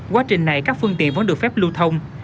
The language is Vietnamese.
quá trình này các phương tiện vẫn được phép lưu thông